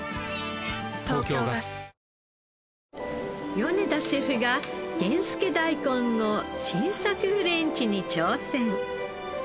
米田シェフが源助だいこんの新作フレンチに挑戦。